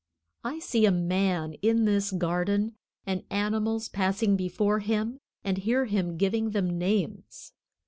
I see a man in this garden, and animals passing before him and hear him giving them names.